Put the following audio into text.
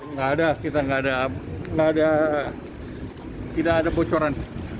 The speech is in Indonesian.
nggak ada kita tidak ada bocoran